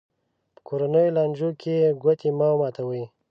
په کورنیو لانجو کې ګوتې مه ماتوي.